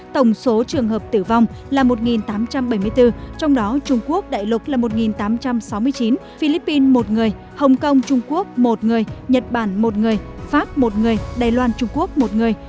tổng số trường hợp tử vong là một tám trăm bảy mươi bốn trong đó trung quốc đại lục là một tám trăm sáu mươi chín philippines một người hồng kông trung quốc một người nhật bản một người pháp một người đài loan trung quốc một người